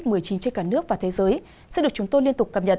trên cả nước và thế giới sẽ được chúng tôi liên tục cập nhật